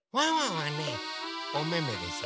はねおめめでしょ。